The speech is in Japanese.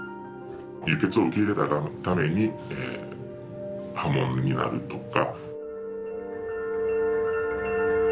輸血を受け入れたら、破門になるとか。